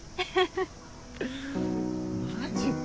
マジか。